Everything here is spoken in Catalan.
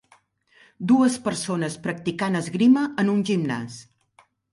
Dues persones practicant esgrima en un gimnàs.